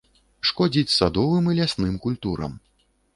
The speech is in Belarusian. Шкодзіць садовым і лясным культурам.